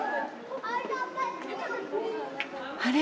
あれ？